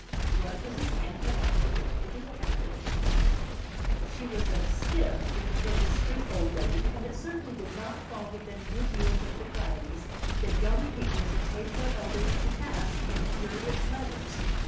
What was his Aunt Eliza going to do about it? I wondered. She was a stiff, if indiscreet, old lady, and it certainly did not fall within her view of the proprieties that young people should take their elders to task in furious letters.